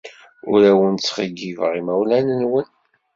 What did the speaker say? Ur awen-ttxeyyibeɣ imawlan-nwen.